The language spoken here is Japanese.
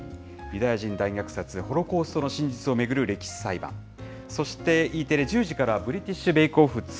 ユダヤ人大虐殺、ホロコーストの真実を巡る歴史裁判。そしてＥテレ１０時からはブリティッシュ・ベイクオフ２。